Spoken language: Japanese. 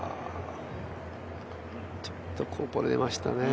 ちょっとこぼれましたね。